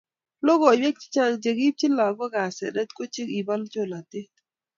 Logoiwek che Chang chekiibchi lagok asenet kochekibo cholatet